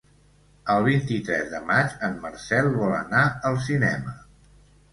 El vint-i-tres de maig en Marcel vol anar al cinema.